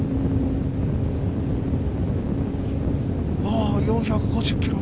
あ４５０キロ！